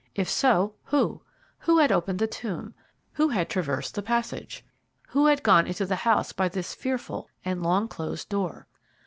If so who! Who had opened the tomb? Who had traversed the passage? Who had gone into the house by this fearful and long closed door?